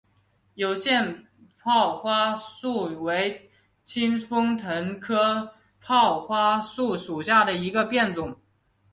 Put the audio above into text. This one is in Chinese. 有腺泡花树为清风藤科泡花树属下的一个变种。